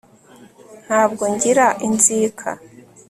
ntabwo ngira inzika